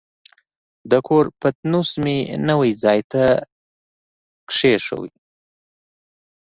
د کور پتنوس مې نوي ځای ته کېښود.